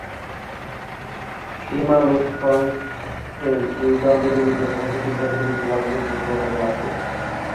খ্রি-মা-লোদ-খ্র্ল-স্তেং এই দ্বন্দ্বে নিজের পক্ষে তিব্বতের বেশিরভাগ গোষ্ঠীর সমর্থন লাভ করেন।